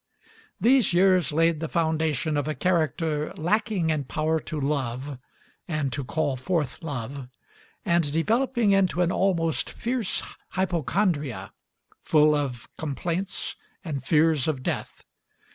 These years laid the foundation of a character lacking in power to love and to call forth love, and developing into an almost fierce hypochondria, full of complaints and fears of death.